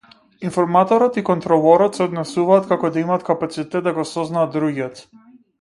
Информаторот и контролорот се однесуваат како да имаат капацитет да го сознаат другиот.